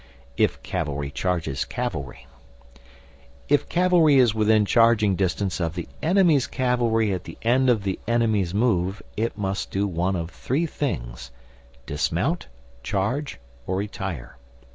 If cavalry charges cavalry: If cavalry is within charging distance of the enemy's cavalry at the end of the enemy's move, it must do one of three things dismount, charge, or retire.